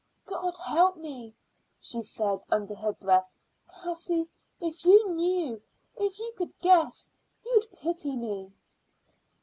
"God help me," she said under her breath. "Cassie, if you knew, if you could guess, you'd pity me."